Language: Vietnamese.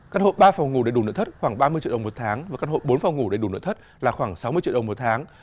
căn hộ ba phòng ngủ đầy đủ nợ thất khoảng ba mươi triệu đồng một tháng và căn hộ bốn phòng ngủ đầy đủ nợ thất là khoảng sáu mươi triệu đồng một tháng